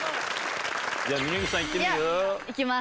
じゃあ峯岸さんいってみる？いきます。